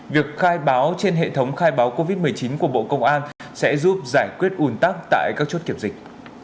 việc khai báo trên hệ thống khai báo covid một mươi chín của bộ công an sẽ giúp giải quyết un tắc tại các chốt kiểm dịch